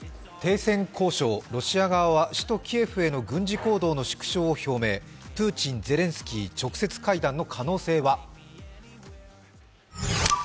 停戦交渉、ロシア側は首都キエフへの軍事行動の縮小を表明、プーチン・ゼレンスキー直接会談の可能性は？